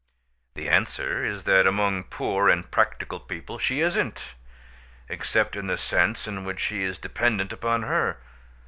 The answer is that among poor and practical people she isn't; except in the sense in which he is dependent upon her.